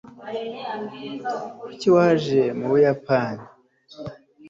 kuki waje mu buyapani